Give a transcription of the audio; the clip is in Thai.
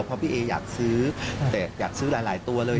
เพราะพี่เออยากซื้อแต่อยากซื้อหลายตัวเลย